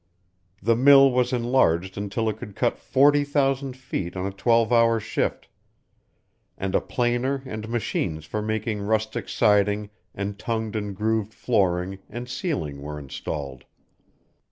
The mill was enlarged until it could cut forty thousand feet on a twelve hour shift, and a planer and machines for making rustic siding and tongued and grooved flooring and ceiling were installed.